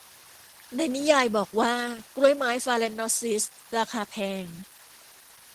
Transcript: ในนิยายบอกว่ากล้วยไม้ฟาแลนนอปซิสราคาแพง